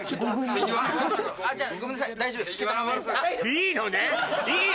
いいのね？